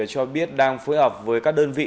cho biết đang phối hợp với các đơn vị